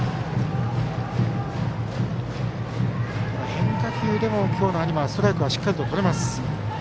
変化球でも今日の有馬はストライクをしっかりとれます。